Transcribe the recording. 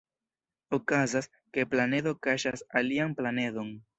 Okazas, ke planedo kaŝas alian planedon.